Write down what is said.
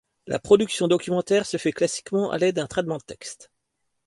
La production documentaire se fait classiquement à l'aide d'un traitement de texte.